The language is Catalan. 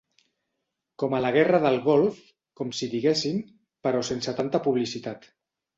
Com a la Guerra del Golf, com si diguéssim, però sense tanta publicitat.